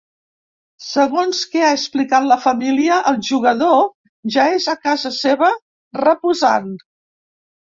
Segons que ha explicat la família, el jugador ja és a casa seva reposant.